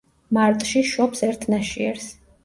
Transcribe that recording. მარტში შობს ერთ ნაშიერს.